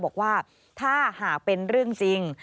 บอกว่าถ้าหากเป็นเรื่องจริง